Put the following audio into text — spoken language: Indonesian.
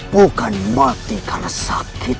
bukan mati karena sakit